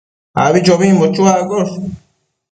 abichobimbo chuaccosh